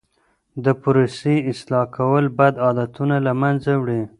د پروسې اصلاح کول بد عادتونه له منځه وړي.